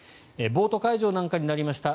ボート会場なんかになりました